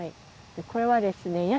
これはですね